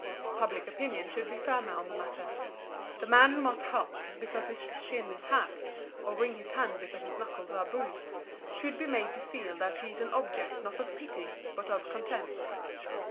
Public opinion should be firmer on the matter. The man who must hop because his shin is hacked, or wring his hand because his knuckles are bruised should be made to feel that he is an object not of pity, but of contempt.